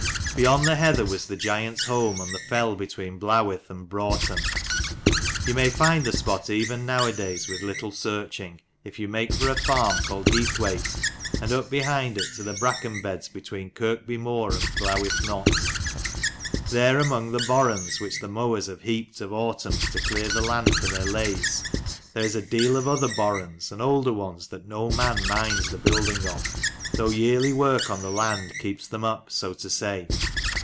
EYOND the heather was the giant's home, on the fell ^between Blawith and Brough ton. You may find the spot even nowadays with little earching, if you make for a farm called Heath wait e, and up behind it to the brackenbeds between Kirkby Moor and Blawith Knott. There among the borrans which the mowers have heaped of autumns to clear the land for their leys, there is a deal of other borrans, and older ones, that no man minds the building of: though yearly work on the land keeps them up, so to say.